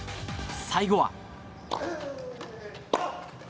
最後は。